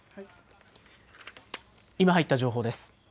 今入った情報です。